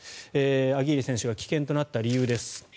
アギーレ選手が棄権となった理由です。